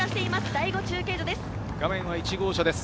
第５中継所です。